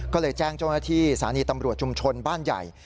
ก็เลยแจ้งเจ้าหน้าที่สถานีตำรวจชุมชนบ้านใหญ่